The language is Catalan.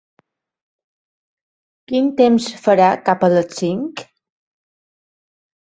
Quin temps farà cap a les cinc?